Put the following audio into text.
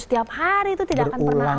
setiap hari itu tidak akan pernah ada